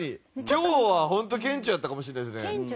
今日はホント顕著やったかもしれないですね。